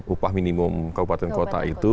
upah minimum kabupaten kota itu